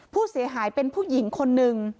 ผู้เสียหายเป็นผู้หญิงคนนึง